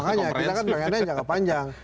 makanya kita kan pengennya jangka panjang